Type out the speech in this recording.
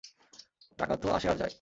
টাকা তো আসে আর যায়।